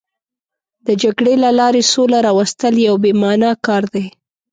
د جګړې له لارې سوله راوستل یو بې معنا کار دی.